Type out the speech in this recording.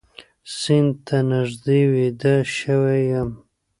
سیند ته نږدې ویده شوی یم